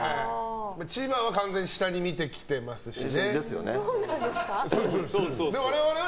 千葉は完全に下に見てきてますしね。